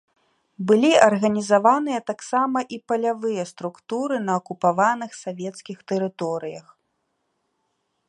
Былі арганізаваныя таксама і палявыя структуры на акупаваных савецкіх тэрыторыях.